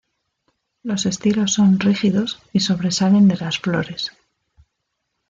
Los estilos son rígidos y sobresalen de las flores.